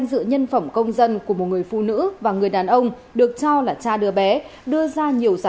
sự nhân phẩm công dân của một người phụ nữ và người đàn ông được cho là cha đứa bé đưa ra nhiều giả